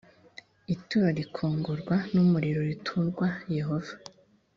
ituro rikongorwa n umuriro riturwa yehova